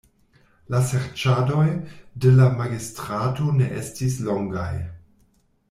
La serĉadoj de la magistrato ne estis longaj.